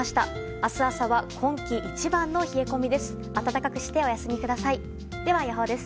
明日朝は今季一番の冷え込みです。